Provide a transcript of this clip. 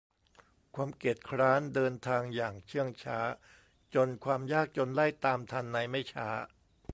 ความเกียจคร้านเดินทางอย่างเชื่องช้าจนความยากจนไล่ตามทันในไม่ช้า